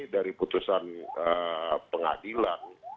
dari putusan pengadilan